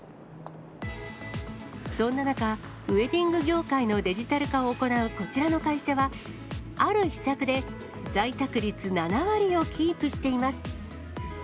そんな中、ウエディング業界のデジタル化を行うこちらの会社は、ある秘策で、在宅率７割をキープしています。